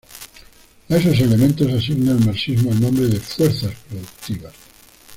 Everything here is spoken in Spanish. A esos elementos asigna el marxismo el nombre de fuerzas productivas.